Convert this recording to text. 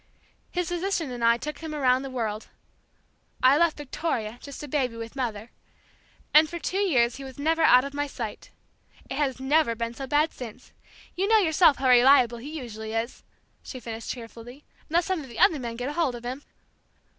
His physician and I took him around the world, I left Victoria, just a baby, with mother, and for too years he was never out of my sight. It has never been so bad since. You know yourself how reliable he usually is," she finished cheerfully, "unless some of the other men get hold of him!"